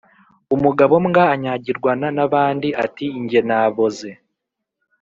Umugabo mbwa anyagiranwa n’abandi ati jye naboze.